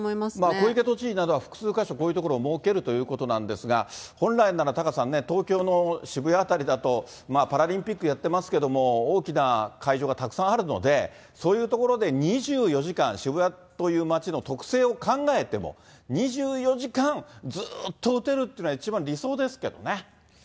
小池都知事などは、複数箇所、こういうところを設けるということなんですが、本来ならタカさんね、東京の渋谷辺りだと、パラリンピックやってますけれども、大きな会場がたくさんあるので、そういう所で２４時間、渋谷という街の特性を考えても、２４時間ずーっと打てるっていうのは、一番理想ですけどね。